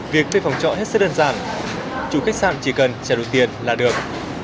việc thuê phòng trọ hết sức đơn giản chủ khách sạn chỉ cần trả được tiền là được